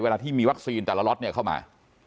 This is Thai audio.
เวลาที่มีวัคซีนแต่ละล็อตเข้ามา